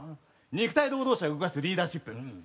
肉体労働者を動かすリーダーシップ。